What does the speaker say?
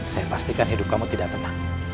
saya pastikan hidup kamu tidak tenang